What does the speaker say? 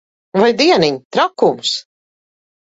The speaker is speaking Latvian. Vai dieniņ! Trakums.